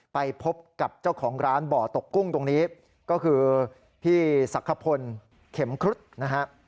ไปพบกับเจ้าของร้านบ่อตกกุ้งตรงนี้ก็คือพี่สักขพลเข็มครุฑนะฮะ